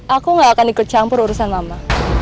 aku gak akan ikut campur urusan mama